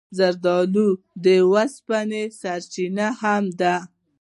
زردالو د اوسپنې سرچینه هم ده.